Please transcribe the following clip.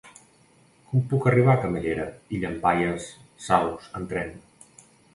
Com puc arribar a Camallera i Llampaies Saus amb tren?